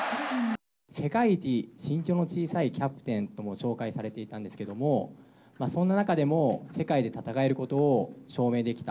世界一身長の小さいキャプテンとも紹介されていたんですけれども、そんな中でも、世界で戦えることを証明できた。